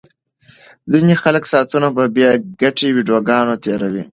ځینې خلک ساعتونه په بې ګټې ویډیوګانو تیروي.